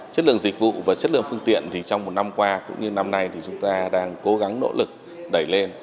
chất lượng dịch vụ và chất lượng phương tiện thì trong một năm qua cũng như năm nay thì chúng ta đang cố gắng nỗ lực đẩy lên